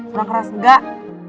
kurang keras enggak